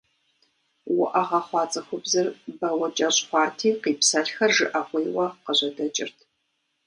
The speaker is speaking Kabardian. Уӏэгъэ хъуа цӏыхубзыр бауэкӏэщӏ хъуати къипсэлъхэр жыӏэгъуейуэ къыжьэдэкӏырт.